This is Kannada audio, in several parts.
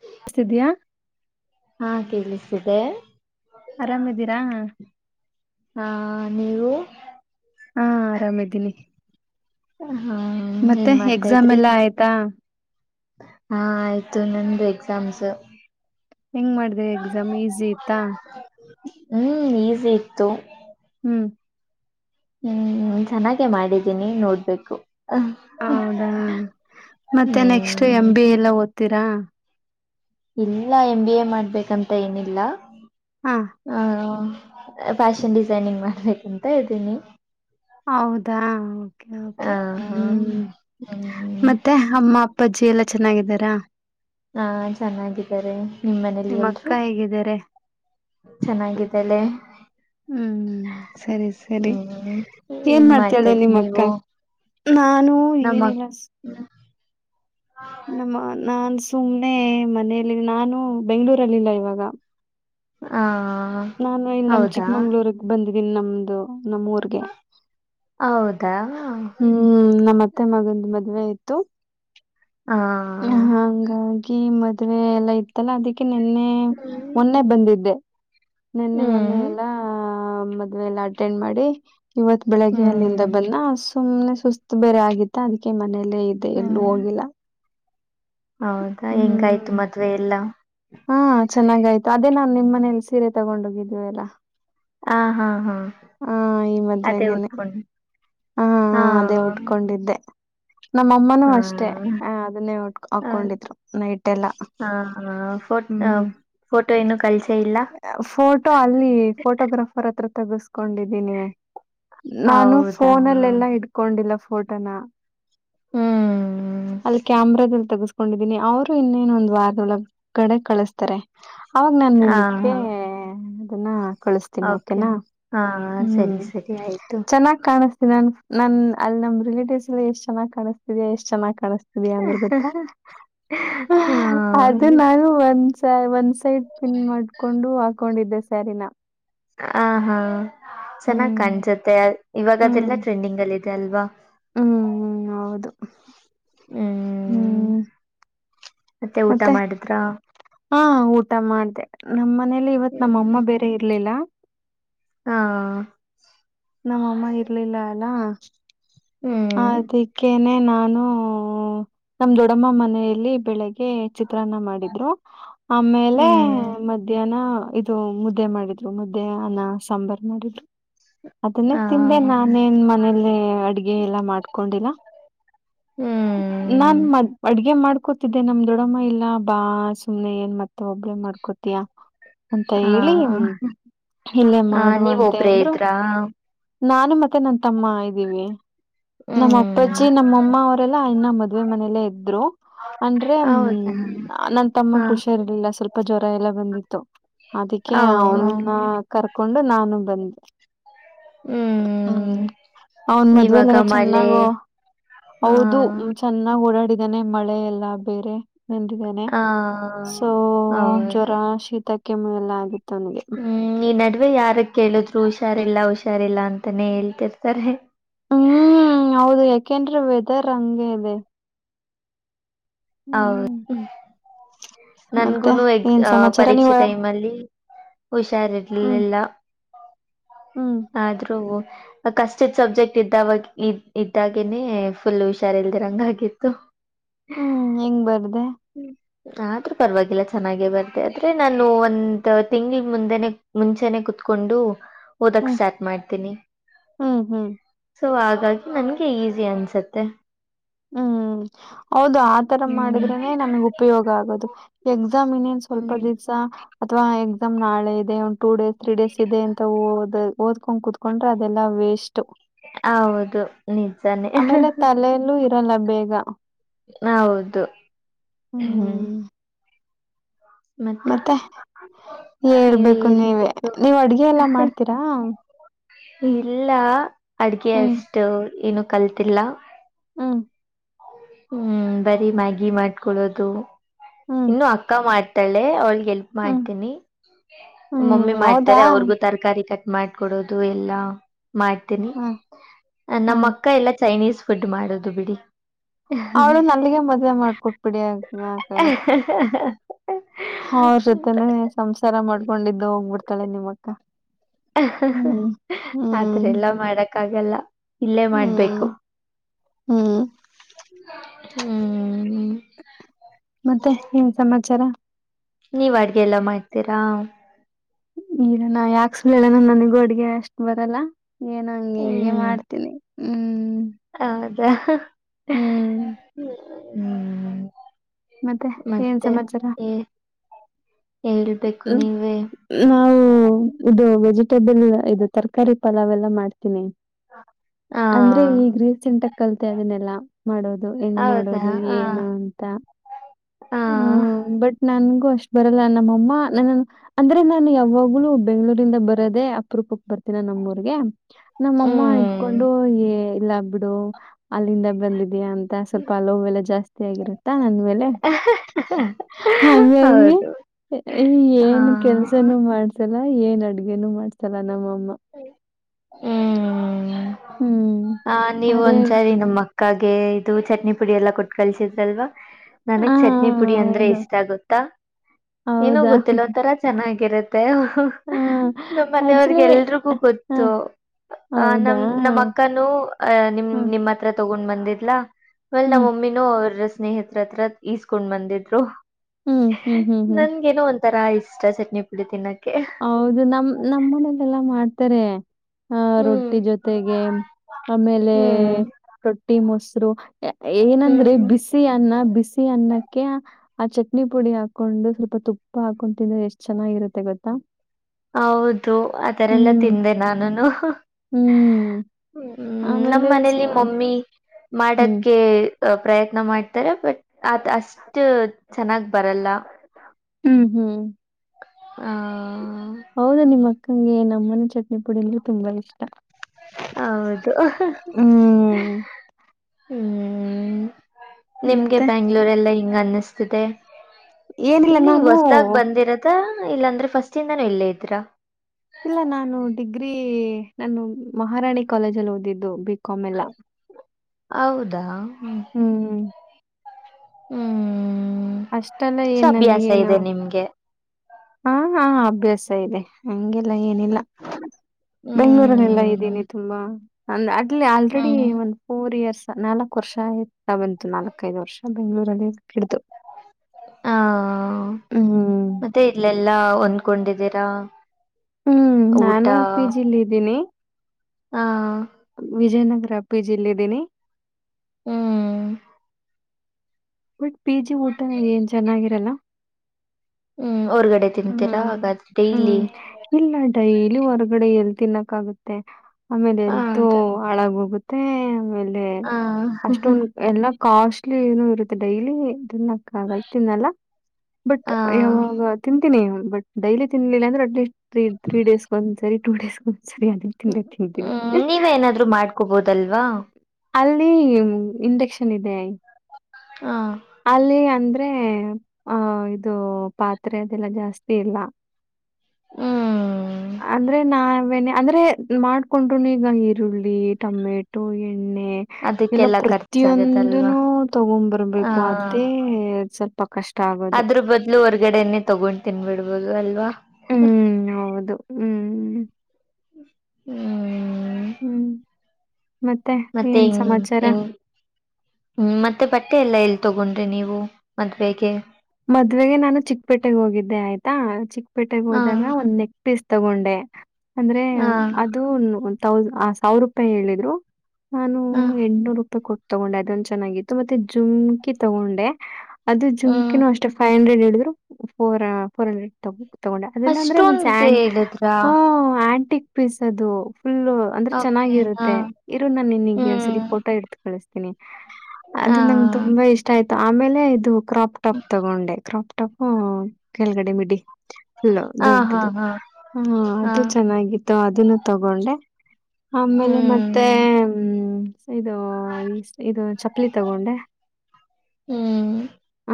[unintelligible] ಹಾ ಕೇಳಿಸಿದೆ ಆರಾಮ್ ಇದ್ದೀರಾ ಹಾ ನೀವು ಹಾ ಆರಾಮಿದ್ದೀನಿ ಹ ಮತ್ತೆ ಏನ್ ಮಾಡ್ತಾ ಎಕ್ಸಾಮ್ ಇದ್ರಿ ಎಲ್ಲಾ ಆಯ್ತಾ? ಹಾ ಆಯ್ತು ನಂದು ಎಕ್ಸಾಮ್ಸ್? ಹೆಂಗ್ ಮಾಡಿದೆ ಎಕ್ಸಾಮ್ ಈಸಿ ಯಿತಾ? ಹ್ಮ್ ಈಸಿ ಇತ್ತು! ಹ್ಮ್ ಹ್ಮ್ ಚೆನ್ನಾಗೆ ಮಾಡಿದ್ದೀನಿ ನೋಡ್ಬೇಕು. ಹೌದಾ ಮತ್ತೆ ನೆಕ್ಸ್ಟ್ ಹ್ಮ್ ಎಮ್ ಬಿ ಎ ಎಲ್ಲಾ ಓದ್ತೀರಾ? ಇಲ್ಲ ಎಮ್ ಬಿ ಎ ಮಾಡ್ಬೇಕಂತ ಏನಿಲ್ಲ ಹ ಹ ಫ್ಯಾಷನ್ ಡಿಸೈನಿಂಗ್ ಮಾಡ್ಬೇಕಂತ ಇದ್ದೀನಿ! ಹೌದಾ ಓಕೆ ಓಕೆ ಹ್ಮ್ ಮತ್ತೆ ಅಮ್ಮ? ಅಜ್ಜಿ ಎಲ್ಲಾ ಚೆನ್ನಾಗಿದ್ದಾರಾ? ಹಾ ಚೆನ್ನಾಗಿದ್ದಾರೆ ನಿಮ್ಮ ಮನೇಲಿ ಎಲ್ರು? ಅಕ್ಕ ಹೇಗಿದ್ದಾರೆ ಚೆನ್ನಾಗಿದ್ದಾಳೆ ಹ್ಮ್ ಸರಿ ಸರಿ ಹ್ಮ್ ಏನ್ ಮಾಡ್ತಿದಾಳೆ ಮಾಡ್ತಾರಿ ನಿಮ್ಮ ಅಕ್ಕ ನೀವು ನಾನು ನಮ್ಮ ಏನಿಲ್ಲ ಸುಮ್ ನಮ್ಮ ನಾನ್ ಸುಮ್ನೆ ಮನೆಯಲ್ಲಿ ನಾನು ಬೆಂಗಳೂರಲ್ಲಿಲ್ಲ ಇವಾಗ ಹಾ ನಾನು ಇಲ್ಲಿ ನಮ್ ಚಿಕ್ಕಮಂಗ್ಳೂರ್ಗ್ ಬಂದಿದ್ದೀನಿ ನಮ್ದು ನಮ್ಮೂರ್ಗೆ ಹೌದಾ ಹ್ಮ್ ನಮ್ಮತ್ತೆ ಮಗನ ಮಧುವೆ [unintelligible] ಇತ್ತು ಆ ಹಂಗಾಗಿ ಮದ್ವೆ ಎಲ್ಲಾ ಇತ್ತಲ್ಲ ಅದಕ್ಕೆ ನಿನ್ನೆ ಹ್ಮ್ ಮೊನ್ನೆ ಬಂದಿದ್ದೆ ನಿನ್ನೆ ಮೊನ್ನೆ ಹ್ಮ್ ಎಲ್ಲ ಮದ್ವೆಲ್ಲ ಅಟೆಂಡ್ ಮಾಡಿ ಇವತ್ ಬೆಳಗ್ಗೆಯಲ್ಲಿಂದ ಹ್ಮ್ ಬಂದ ಸುಮ್ನೆ ಸುಸ್ತು ಬೇರೆ ಆಗತ್ತಾ ಅದಕ್ಕೆ ಮನ ಇಲ್ಲೇ ಇದೆ ಎಲ್ಲೂ ಹ್ಮ್ ಹೋಗಿಲ್ಲ ಹೌದಾ ಹೆಂಗಾಯ್ತು ಹ್ಮ್ ಮದ್ವೆ ಎಲ್ಲಾ ಹಾ ಚೆನ್ನಾಗಾಯ್ತು ಅದೇ ನಾನ್ ನಿಮ್ಮ ಮನೇಲಿ ಸೀರೆ ತಗೊಂಡೋಗಿದ್ವಿ ಎಲ್ಲ ಹಾ ಹಾ ಹಾ ಅದೇ ಉಟ ಹಾ ಅದೇ ಉಟ್ಕೊಂಡಿದ್ದೆ ನಮ್ಮಮ್ಮನೂ ಹಾ ಅಷ್ಟೇ ಅದನ್ನೇ ಹಾಕೊಂಡಿದ್ರು ನೈಟ್ ಎಲ್ಲಾ ಹಾ ಹಾ ಫೋಟೋ ಇನ್ನು ಕಳಸೆ ಫೋಟೋ ಅಲ್ಲಿ ಫೋಟೋಗ್ರಾಫರ್ ಹತ್ರ ತಗಸ್ ಕೊಂಡಿದ್ದೀನಿ ನಾನು ಹೌದಾ ಫೋನಲ್ಲೆಲ್ಲಾ ಇಡ್ಕೊಂಡಿಲ್ಲ ಫೋಟೋನ ಹ್ಮ್ ಅಲ್ಲಿ ಕ್ಯಾಮ್ರ ತಗಸಕೊಡಿದ್ದೀನಿ ಅವ್ರು ಇನ್ನೇನು ಒಂದ್ ವಾರದೊಳಗಡೆ ಕಳಿಸ್ತಾರೆ ಅವಾಗ ನಾನ್ ಹ ನಿ ಕ್ಕ ಅದನ್ನ ಕಳಿಸತೀನಿ ಓಕೆ ಕೆನಾ ಹಾ ಹ್ಮ್ ಸರಿ ಸರಿ ಆಯ್ತು ಚೆನ್ನಾಗಿ ಕಾಣ ನನ್ ನನ್ ಅಲ್ಲಿ ನಮ್ಮ ರಿಟಿವ್ಸ್ ಎಷ್ಟ ಚನ್ನ ಕಾಣಿಸ್ತಿದೀಷ್ಟ ಚನ್ನಾಗಿ ಕಾಣಿಸ್ತ ಇಂದ್ರೆ ಗೊತ್ತಾ ಅದ ಹಾ ನಾನು ಒಂದ್ ಸ ಒಂದ್ ಸೈಡ್ ಪಿನ್ ಮಾಡ ಹಾಕೊಂಡಿದ್ದೆ ಸ್ಯಾರಿನ ಹ ಹಾ ಚೆನ್ನಾಗ್ ಹ್ಮ್ ಕಾಣ್ಸುತ್ತೆ ಹ್ಮ್ ಇವಾಗದೆಲ್ಲಾ ಟ್ರೆಂಡಿಂಗ್ ಅಲ್ಲ ಇದೆ ಅಲ್ವಾ ಹ್ಮ್ ಹ್ಮ ಹೌದು ಹ್ಮ್ ಮತ್ತೆ ಊಟ ಮಾಡಿದ್ರಾ ಹಾ ಊಟ ಮಾಡ್ದೆ ನಮ್ಮ್ ಮನೇಲಿ ಇವತ್ ನಮ್ಮ ಅಮ್ಮ ಹ್ಮ್ ಬೇರೆ ಇರ್ಲಿಲ್ಲ ಹಾ ನಮ್ಮಮ್ಮ ಇರ್ಲಿಲ್ಲ ಅಲ ಹ್ಮ್ ಅದಕ್ಕೇನೆ ನಾನು ನಮ ದೊಡಮ್ಮ ಮನೆಯಲ್ಲಿ ಬೆಳಿಗ್ಗೆ ಚಿತ್ರಾನ್ನ ಮಾಡಿದ್ರು ಆಮೇಲೆ ಹ್ಮ್ ಮಧ್ಯಾಹ್ನ ಇದು ಮುದ್ದೆ ಮಾಡಿದ್ರು ಮುದ್ದೆ ಅನ ಸಾಂಬಾರ್ ಮಾಡಿದ್ರು ಅದನ್ನೇ ಹಾ ತಿಂದೆ ನಾನೇನ್ ಮನೇಲ್ಲ ಅಡ್ಗೆ ಎಲ್ಲಾ ಮಾಡ್ಕೊಂಡಿಲ್ಲ ನಾನ್ ಹ್ಮ್ ಮ್ ಅಡ್ಗೆ ಮಾಡ್ ಕೋತಿದ್ದೆ ನಮ್ ದೊಡಮ್ಮ ಇಲ್ಲ ಬಾ ಸುಮ್ನೆ ಏನ್ ಮತ್ತೆ ಒಬ್ಬಳೆ ಮಾಡ್ಕೋತಯಾ ಅಂತ ಹಾ ಹೇಳಿಮ ಇಲ್ಲೇ ಆ ನೀವ್ ಮಾಡುವಂತೆ ಒಬ್ರೇ ಅಂದ್ರು ಇದ್ರಾ ನಾನು ಮತ್ತೆ ನನ್ ತಮ್ಮ ಇದ್ದೀವಿ ನಮ್ಮ ಹ್ಮ್ ಅಪ್ಪಜ್ಜಿ ನಮ್ಮಮ್ಮ ಅವರೆಲ್ಲಾ ಇನ್ನ ಮದ್ವೆ ಮನೆಯಲ್ಲೇ ಇದ್ರು ಅಂದ್ರೆ ಹ್ಮ್ ಹೌದಾ ನನ್ ತಮ್ಮ ಹಾ ಹುಷಾರರ್ಲಿಲ್ಲ ಸ್ವಲ್ಪ ಅಪ್ಪ ಜ್ವರ ಎಲ್ಲ ಬಂದಿತ್ತು ಅದಕ್ಕೆ ಹ ಅವನನ್ನ ಕರ್ಕೊಂಡು ನಾನು ಬಂದೆ ಹ್ಮ್ ಹ್ಮ್ ಅವನ್ ಇವಾಗ ಮದ್ವೆಲ್ಲಲ್ಲ ಮಳೆ ಚೆನ್ನಾಗು ಹಾ ಹೌದು ಚೆನ್ನಾಗ್ ಓಡಾಡಿದ್ದಾನನೆ ಮಳೆ ಎಲ್ಲ ಬೇರೆ ಎಂದಿದ್ದನನೆ ಹಾ ಸೊ ಹೌದು ಜ್ವರ ಶೀತ ಕೆಮ್ಮ ಎಲ್ಲ ಆಗಿತ್ತು ಅವನಿಗೆ ಹ್ಮ್ ಈ ನಡುವೆ ಯಾರಕ್ ಕೇಳಿದ್ರು ಹುಷಾರಿಲ್ಲ ಹುಷಾರಿಲ್ಲಾ ಅಂತಾನೇ ಹೇಳ್ತಿರ್ತಾರೆ ಯಾಕೇನ್ ವೆದರ್ ಹಂಗ ಇದೆ ಹ್ಮ್ ಹೌದು ಮತ್ತೆ ನನ್ಗುನು ಎ ಏನ್ ಸಮಾಚಾರ ನೀವ ಪರೀಕ್ಷೆ ಟೈಮ್ ಅಲ್ಲಿ ಹುಷಾರಟ್ಟಿಲ್ಲ ಹ್ಮ್ ಎಲ್ಲ ಹ್ಮ್ ಆದ್ರೂ ಕಷ್ಟತ್ ಸಬ್ಜೆಕ್ಟ್ ಇದ್ದಾಗ ಇದ ಇದ್ದಾಗನನೆ ಫುಲ್ ಹುಷಾರಲ್ದಿರಂಗಗಿತ್ತು ಹ್ಮ್ ಹೆಂಗ್ ಬಾರದೇ ಹ್ಮ್ ಆದ್ರೂ ಪರವಾಗಿಲ್ಲ ಚೆನ್ನಾಗೆ ಬಾರದೇ ಆದ್ರೆ ನಾನು ಒಂದ ತಿಂಗಳ ಮುಂದೆನೆ ಮುಂಚೆನೆ ಕುೂತ್ಕೊಂಡ ಕೊಂಡು ಹ್ಮ್ ಓದಕ್ ಸ್ಟಾರ್ಟ್ ಮಾಡ್ತೀನಿ ಹ್ಮ್ ಹ್ಮ್ ಸೊ ಹಾಗಾಗಿ ನನ್ಗೆ ಈಸಿ ಅನ್ಸತ್ತೆ ಹ್ಮ್ ಹೌದು ಆತರ ಹ್ಮ್ ಮಾಡಿದ್ರನೆ ನಮಗ್ ಉಪಯೋಗ ಆಗೋದು ಎ ಎಸಾಮ್ ಇನ್ನೇನ್ ಸ್ವಲ್ಪ ಹ್ಮ್ ದಿವಸ ಅಥವಾ ಎಕ್ಸಾಮ್ ನಾಳೆ ಇದೆ ಉಂಟಾ ಟೂ ಡೇಸ್ ತ್ರೀ ಡೇಸ್ ಇದೆ ಅಂತ ಓದ್ಕೊಂಡ್ ಕುೂತ್ಕೊಂಡ್ರೆ ಅದೆಲ್ಲ ವೇಸ್ಟ್ ಹೌದು ನಿಜಾನೇ ಆಮೇಲೆ ತಲೆಯಲ್ಲೂ ಇರಲ್ಲ ಬೇಗ ಹೌದು ಹ್ಮ್ ಮತ್ತೆ ನೀವೇ ಹೇಳ್ಬೇಕು ನೀವ ಹೇಳ್ಬೇಕು ನೀವ್ ಅಡ್ಗೆ ಎಲ್ಲಾ ಮಾಡ್ತೀರಾ. ಇಲ್ಲ ಅಡ್ಗೆ ಹ್ಮ್ ಅಷ್ಟು ಏನು ಕಲ್ತಿಲ್ಲ. ಹ್ಮ ಹೂ ಬರೀ ಮ್ಯಾಗಿ ಮಾಡ್ಕೊಳೋದು ಹ್ಮ್ ಇನ್ನು ಅಕ್ಕ ಮಾಡ್ತಾಳೆ ಅವಳಿಗೆ [unintelligible] ಹೆಲ್ಪ್ ಹ್ಮ್ ಮಾಡ್ತೀನಿ ಹ್ಮ್ ಮಮ್ಮಿ ಹೌದಾ ಮಾಡ್ತಾರೆ ಅವ್ರಿಗೂ ತರಕಾರಿ ಕಟ್ಟ [unintelligible] ಮಾಡ್ಕೊಡೋದು ಎಲ್ಲಾ ಮಾಡ್ತೀನಿ ಹ ಹ ನಮ್ಮ ಅಕ್ಕ ಎಲ್ಲಾ ಚೈನೀಸ್ [unintelligible] ಫುಡ್ ಮಾಡೋದು ಬಿಡಿ. [inaudible] ಅವಳು ನಲ್ಲಿಗೆ ಮದ್ವೆ ಮಾಡ್ಕೊಟ್ಟುಬಿಡಿ ಯಾಕ ಕಡೆ. [unintelligible] ಹೌರ ಜೊತಿನ ಸಂಸಾರ ಮಾಡ್ಕೊಂಡಿದ್ದು ಹೋಗ್ಬಿಡ್ತಾಳೆ ನಿಮ್ಮ ಅಕ್ಕಾ? [unintelligible] ಆತರ ಹ್ಮ್ ಎಲ್ಲಾ ಮಾಡಕ ಆಗಲ್ಲ ಇಲ್ಲೇ ಮಾಡ್ಬೇಕು. [unintelligible] ಹು [unintelligible] ಹು [unintelligible] ಮತ್ತೆ ಏನ್ ಸಮಾಚಾರ ನೀವ್ ಅಡಗೆ ಎಲ್ಲಾ ಮಾಡ್ತೀರಾ? [unintelligible] ಈಗ ನಾ ಯಾಕ್ ಸುಳ್ಳೇಳನ ನನಗೂ ಅಡಿಗೆ ಅಷ್ಟು ಬರಲ್ಲ ಏ ನಾ ಹಂಗ ಹಿಂಗಗೆ ಹ್ಮ್ ಮಾಡ್ತೀನಿ ಹ್ಮ್ ಹೌದಾ ಹ್ಮ್ ಹ್ಮ್ ಮತ್ತೆ ಏನ್ ಮತ್ತೆ ಸಮಾಚಾರ? [unintelligible] ಏ ಹೇಳ್ಬೇಕು ಹು ನೀವೇ ನೀವು. [unintelligible] ಇದು ವೆಜಿಟೇಬಲ್ ಇದು ತರಕಾರಿ ಪಲಾವ್ ಎಲ್ಲ ಮಾಡ್ತೀನಿ. ಹಾ [unintelligible] ಅಂದ್ರೆ ಈ ಗ್ರೀಸ್ ಇಂದ ಕಳಿತಾ ಇದ್ದೀನಲ್ಲಾ? [unintelligible] ಮಾಡೋದು ಹೆಂಗ್ ಹೌದಾ ಮಾಡೋದು ಹ ಏನು ಅಂತ ಹಾ ಹೂ ಬಟ್ ನನ್ [unintelligible] ನನಗೂ ಅಷ್ಟ ಬಲ್ಲ ನಮ್ಮಮ್ಮ [unintelligible] ಹಾ ನಿನ್ ಅಂದ್ರೆ ನಾನು ಯಾವಾಗ್ಲೂ ಬೆಂಗಳೂರಿಂದ ಬರೋದೇ ಅಪರೂಪಕ್ ಬರ್ತೀನ ನಮ್ಮೂರ್ಗೆ, [unintelligible] ನಮ್ಮಮ್ಮ ಹ್ಮ್ ಇಟ್ಕೊಂಡು ಏ ಇಲ್ಲ ಬಿಡು, [unintelligible] ಅಲ್ಲಿಂದ ಬಂದಿದ್ಯಾ ಅಂತ ಸ್ವಲ್ಪ ಲವ್ ಎಲ್ಲಾ ಜಾಸ್ತಿ ಆಗಿರ [unintelligible] ತ್ತ ನನ್ ಮೇಲೆ ಹಾಂಗ್ ಹ್ಯಾಂಗೆ, ಹೌದು [unintelligible] ಇಲ್ ಹಾ ಏನ್ ಕೆಲಸನ್ನು ಮಾಡತ್ತಿಲ್ಲ ಏನ್ ಅಡಗೆನು ಮಾಡತ್ತಿಲ್ಲ ನಮ್ಮ ಅಮ್ಮ, [unintelligible] ಹು ಹ್ಮ್ ಆ ನೀವ ಅದೇ ಒಂದ್ಸರಿ ನಮ್ಮ ಅ [inaudible] [unintelligible] ಕ್ಕಾಗೆ ಇದು ಚಟ್ನಿ ಪುಡಿ ಎಲ್ಲ ಕೊಟ್ಟು ಕಲ್ಸಿದ್ರಲ್ವಾ? [unintelligible] ಹ ನನಗ್ ಚಟ್ನಿ ಪುಡಿ ಅಂದ್ರೆ ಹೌದು ಇಷ್ಟ ಆಗುತ್ತಾ? [unintelligible] ಏನೂ ಹೌದಾ ಗೊತ್ತಿಲ್ಲ ಒಂತರಾ ಚೆನ್ನಾಗಿರತ್ತೆ ನಮ್ಮ ಹ ಆಕ್ಚುಲಿ ನಮ್ಮನೆಯವರೆಲ್ಲರಿಗೂ ಗೊ [unintelligible] ಹ ತ್ತು ಆ ಹೌದಾ ನಮ್ [unintelligible] ನಮ್ಮ ಅಕ್ಕನು ಅ ನಿಮ್ ಹ್ಮ್ ನಿಮ್ಮ ಹತ್ರ ತಗೊಂಡ್ ಬಂದಿದ್ಲಾ ಹೋಳ್ಳಿ ನಮ್ಮ ಹ್ಮ್ ಮಮ್ಮಿ ನೂ ಅವ್ರ [unintelligible] ಸ್ನೇಹತ್ರರ ಹತ್ರ ಈಸ್ಕೊಂಡ್ ಬಂದಿದ್ರು ಹ್ಮ್ ಹ್ಮ್ ಹ್ಮ್ ಹ್ಮ್ ನನಗ ಏನೋ ಒ [unintelligible] ಒಂತರ ಇಷ್ಟ ಚಟ್ನಿ ಪುಡಿ ತಿನ್ನಕ್ಕ [unintelligible] ಹೌದು ನಮ್ಮ ನಮ್ಮನೇಲೆಲ್ಲಾ ಮಾಡ್ತಾರೆ? [unintelligible] ಆಹ ಹ್ಮ್ ರೊಟ್ಟಿ ಜೊತೆಗೆ ಆಮೇಲೆ ಹ್ಮ್ ರೊಟ್ಟಿ ಮೊಸರು, [unintelligible] ಏನಂದ್ರೆ ಹ್ಮ್ ಬಿಸಿ ಅನ್ನ ಬಿಸಿ ಅನ್ನಕ್ಕೆ. [unintelligible] ಆ ಚಟ್ನಿ ಪುಡಿ ಹಾಕೊಂಡು ಸ್ವಲ್ಪ ತುಪ್ಪ ಹಾಕೊಂಡು ತಿಂದ್ರೆ ಎಷ್ಟ್ ಚೆನ್ನಾಗಿರುತ್ತೆ ಗೊತ್ತಾ? [unintelligible] ಹೌದು ಅದರಲ್ಲೇ ಹ್ಮ್ ತಿಂದೆ ನಾನುನು, [unintelligible] ಹ್ಮ್ ಹು ನಮ್ಮ ಆಮೇಲೆ ಮನೇಲಿ ಸ- ಮಮ್ಮಿ, [unintelligible] ಹ್ಮ್ ಮಾಡಕ್ಕೆ ಪ್ರಯತ್ನ ಮಾಡ [unintelligible] ಡ್ತಾರೆ ಬಟ್ ಆತ್ ಅಷ್ಟು ಚೆನ್ನಾಗ್ ಬರಲ್ಲ? [unintelligible] ಹು ಹು [unintelligible] ಆ [unintelligible] ಯಾಕಂದ್ರೆ ನಮ್ಮ ಮನೆ ಚಟ್ನಿ ಪುಡಿ ಅಂದರೆ ತುಂಬಾ ಇಷ್ಟ. [unintelligible] ಹೌದು [inaudible] ಹು ಹ್ಮ್ [unintelligible] ನಿಮಗೆ ಮತ್ತೆ ಬ್ಯಾಂಗ್ಳೂರೆಲ್ಲಾ ಹಿಂಗ ಅನ್ನಿಸ್ತದೆ. [inaudible] [unintelligible] [inaudible] ಏನಿಲ್ಲ ಇಲ್ಲಿ ನಾನು ಹೊಸದಾಗಿ ಬಂದಿರದ ಇಲ್ಲಾಂದ್ರೆ ಫಸ್ಟ್ ಇಂದನ ಇಲ್ಲೇ ಇದರಾ? [unintelligible] ಇಲ್ಲ ನಾನು ಡಿಗ್ರಿ [unintelligible] ನಾನು ಮಹಾರಾಣಿ ಕಾಲೇಜ ಅಲ್ಲಿ ಓದಿದ್ದು ಬಿ ಕಾಮ್ ಎಲ್ಲಾ, [unintelligible] ಹೌದಾ? [unintelligible] ಹು [unintelligible] ಹು ಅಷ್ಟೆಲ್ಲ ಸೊ ಏನ್ ಅಭ್ಯಾಸ ನನಗೇನು ಇದೆ ನಿಮಗೆ. [unintelligible] ಹಾ ಹಾ ಅಭ್ಯಾಸ ಇದೆ ಹಗೆಲ್ಲ ಏನಿಲ್ಲ? [unintelligible] ಬೆಂಗ್ಳೂರಲ್ಲೆಲ್ಲಾ ಹ್ಮ್ ಇದ್ದೀನಿ ತುಂಬಾ ಅಂದ ಅಗ್ಲೆ ಆಲ್ರೆಡಿ ಹ್ಮ್ ಒಂದ್ ಫೋರ್ ಇಯರ್ಸ್ ನಾಲ್ಕಕ್ ವರ್ಷ ಆಯ್ತ ಬಂತು ನಾಲ್ಕದ್ ವರ್ಷ ಬೆಂಗ್ಳೂರಲ್ಲಿ ಕೆಡ್ತು ಹ ಹ್ಮ್ ಎಲ್ಲಾ ಒಂದ್ಕೊಂಡಿದೀರಾ ಹ್ಮ್ ನಾನು ಪಿ ಜಿಲ್ ಇದ್ದೀನಿ ಹಾ ವಿಜಯನಗರ ಪಿ ಜಿಲ್ಲೆದೀನಿ ಹ್ಮ್ ಬಟ್ ಪಿ ಜಿ ಊಟ ಏನ್ ಚೆನ್ನಾಗಿರಲ್ಲ? [unintelligible] ಹ್ಮ್ ಹೊರ್ಗಡೆ ತಿಂತೀರಾ ಹ್ಮ್ ಹಾಗಾದ್ರೆ ಹ್ಮ್ ಡೈಲಿ ಇಲ್ಲ ಡೈಲಿ ವರ್ಗ ಹೊಗಡೆ ಎಲ್ ತಿನ್ನಕ ಆಗುತ್ತೆ ಆಮೇಲೆ ಎಲ್ತು ಹೌದು ಹಳಗ್ ಹೋಗುತ್ತೆ ಆಮೇಲ್ ಹ ಅಷ್ಟೊಂದ ಎಲ್ಲ ಕಾಸ್ಟ್ಲಿ ಇರುತ್ತ ಡೈಲಿ ತಿನ್ನಕಾಗಲ್ಲ ತಿನ್ನಲ್ಲ ಬಟ್ ಹ ಯಾವಾಗ ತಿ ತಿನಿ ಬಟ್ ಡೈಲಿ ತಿನ್ಲಿಲ್ಲ ಅಂದ್ರೆ ಅಟ್ಲೀಸ್ಟ್ ತ್ರೀ ಡೇಸ್ಗೆ ಒಂದ್ಸರಿ ಟೂ ಡೇಸ್ಗೆ ಒಂದ್ಸರಿ ಅದೇ ತಿಂಡಿ ತಿಂತೀನಿ ದಲ್ವಾ ಅಲ್ಲಿ ಇಂಡಕ್ಷನ್ ಇದೆ ಹ ಅಲ್ಲಿ ಅಂದ್ರೆ ಹಾ ಇದು ಪಾತ್ರೆ ಅದೆಲ್ಲ ಜಾಸ್ತಿ ಇಲ್ಲ ಹ್ಮ್ ಅಂದ್ರೆ ನಾವೆನೆ ಅಂದ್ರೆ ಮಾಡ್ಕೊಂಡರು ಈಗ ಈರುಳ್ಳಿ ಟೊಮೆಟೊ ಎಣ ಎಣ್ಣೆ ಎಲ್ಲ ಅದಕ್ಕೆಲ್ಲ ಪ್ರತಿಯೊಂದೂ ತಗೊಂಡ್ ಹಾ ಬರ್ಬೇಕ್ ಆಗೋದು. ಅದ್ರ ಬದ್ಲು ಹೊರ್ಗಡನ್ನೇ ತಗೊಂಡ್ ತಿನ್ಬಿಡ್ಬೋದು ಅಲ್ವಾ ಹ್ಮ್ ಹೌದು ಹ್ಮ್ ಹ್ಮ್ ಹ್ಮ್ ಮತ್ತೆ ಏನ್ ಯಂಗ್ ಸಮಾಚಾರ? ಹ್ಮ ಮತ್ತೆ ಬಟ್ಟೆ ಎಲ್ಲ ಯಲ್ ತಗೊಂಡ್ರಿ ನೀವು ಮದ್ವೆ ಗೇ ಮದ್ವೆೆಗೆ ನಾನು ಚಿಕ್ಕಪೇಟೆೆಗೆ ಹೋಗಿದ್ದೆ ಆಯ್ತಾ ಚಿಕ್ಪೇಟೆೆಗೆ ಹ ಹೋದಾಗ ಒಂದ್ ನೆಕ್ ಪೀಸ್ ತಗೊಂಡೆ ಅಂದ್ರೆ ಹ ಅದು ಒಂದ ತೌಸ್ ಆ ಸಾವಿರ್ ರೂಪಾಯಿ ಹೇಳಿದ್ರು ನಾನು ಹ ಎಂಟನೂರು ರೂಪಾಯಿ ಕೊಟ್ಟು ತಗೊಂಡೆ ಅದೊಂದು ಚೆನ್ನಾಗಿತ್ತು ಮತ್ತೆ ಜುಮ್ಕಿ ತಗೊಂಡೆ ಅದು ಹ್ಮ್ ಜುಮಕಿನ ಅಷ್ಟೇ ಫೈವ್ ಹಂಡ್ರೆಡ್ ಹೇಳಿದ್ರು ಫೋರ್ ಫೋರ್ ಹಂಡ್ರೆಡ್ ತಗೋದು ತಗೊಂಡ ಅದೆಲ್ಲ ಅಂದ್ರೆ ಮೀನ್ಸ್ ಅಷ್ಟೊಂದ ಆಂ ಹೇಳಿದ್ರಾ ಹ್ ಆಂಟಿಕ್ ಪೀಸ್ ಅದು ಫುಲ್ಲ ಅಂದ್ರೆ ಓಕೆ ಹಾ ಚೆನ್ನಾಗಿರುತ್ತೆ ಇರು ನಾನು ನಿನಗೆ ಒಂದ್ಸರಿ ಹ್ಮ್ ಫೋಟೋ ಇಡ್ತ ಕಳಿಸ್ತೀನಿ ಹ ಅದು ನಂಗೆ ತುಂಬಾ ಇಷ್ಟ ಆಯ್ತು ಆಮೇಲೆ ಇದು ಕ್ರಾಪ್ ಟಾಪ್ ತಗೊಂಡೆ ಕ್ರಾಪ್ಪ್ ಟಪು ಕೆಳಗಡೆ ಮಿಡಿ ಅಲ್ಲೋ ಹ ಹಾ ದೊಡ್ಡದು ಹಾ ಹ ಹಾ ಅದು ಚೆನ್ನಾಗಿತ್ತು ಅದನ್ನು ತಗೊಂಡೆ ಆಮೇಲೆ ಮತ್ತೆ ಹ್ಮ್ ಹ್ಮ ಇದು ಈ ಇದು ಚಪ್ಪಲಿ ತಗೊಂಡೆ ಹ್ಮ್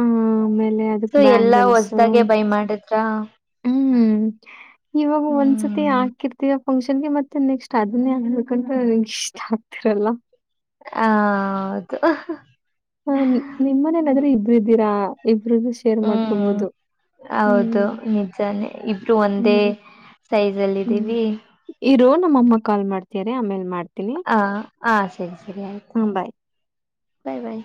ಆ, ಆಮೇಲೆ ಅದಕ್ ಸೊ ಎಲ್ಲಾ ಬ್ಯಾಂಗಲ್ಸು ಹೊಸ್ದಾಗೆ ಬೈ ಮಾಡಿದ್ರ ಹ್ಮ್ ಇವಾಗ ಒಂದು ಸತಿ ಹ್ಮ್ ಹಾಕಿರ್ತಯ ಫಂಕ್ಷನ್ಗೆ ಮತ್ತೆ ನೆಕ್ಸ್ಟ್ ಅದನ್ನೇ ಹಗ್ಬೇಕಂತು ನನ್ಗ್ ಇಷ್ಟ ಆಗ್ತಿರಲ್ಲ ಹಾ ಹೌದು ಹ ನಿಮ್ ಮನೇನಾದ್ರೆ ಇಬ್ರ್ ಇದ್ದೀರಾ ಇಬ್ರ್ ಶೇರ್ ಹ್ಮ್ ಮಾಡ್ಕಭಾವದು ಹೌದು ನಿಜಾನೆ ಇಬ್ರು ಒಂದೇ ಹ್ಮ್, ಸೈಜ್ ಅಲ್ಲಿ ಹ್ಮ್ ಇದೀವಿ ಇರೋ ನಮ್ಮಮ್ಮ ಕಾಲ್ ಮಾಡ್ತಾರೆ ಆಮೇಲ್ ಮಾಡ್ ಹಾ ಹಾ ಸರಿ ಸರಿ ಆಯ್ತು ಹಾ, ಬಾಯ್. ಬಾಯ್ ಬಾಯ್